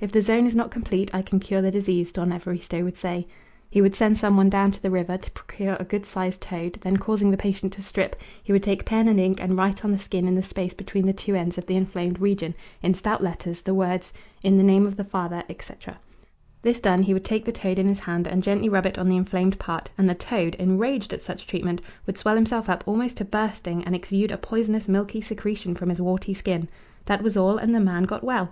"If the zone is not complete I can cure the disease," Don Evaristo would say. He would send some one down to the river to procure a good sized toad, then causing the patient to strip, he would take pen and ink and write on the skin in the space between the two ends of the inflamed region, in stout letters, the words, In the name of the Father, etc. This done, he would take the toad in his hand and gently rub it on the inflamed part, and the toad, enraged at such treatment, would swell himself up almost to bursting and exude a poisonous milky secretion from his warty skin. That was all, and the man got well!